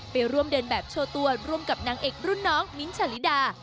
ไปร่วมเดินแบบโชว์ตัวร่วมกับนางเอกรุ่นน้องมิ้นท์ชาลิดา